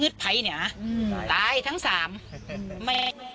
อืม